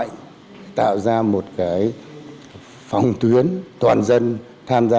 chúng tôi kết hợp với công tác phòng ngừa nghiệp vụ là triển khai các biện pháp nghiệp vụ công tác biên giới quốc gia